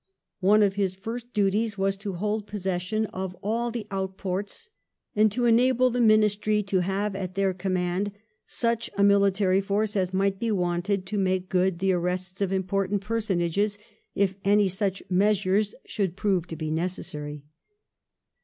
One of his first duties was to hold possession of all the outports and to enable the Ministry to have at their command such a military force as might be wanted to make good the arrests of important personages if any such measures should prove to be necessary.